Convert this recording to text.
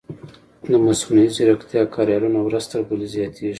د مصنوعي ځیرکتیا کاریالونه ورځ تر بلې زیاتېږي.